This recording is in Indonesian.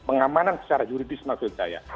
pengamanan secara juridis maksud saya